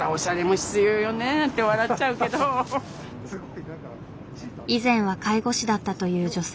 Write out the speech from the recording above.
変な話だけど以前は介護士だったという女性。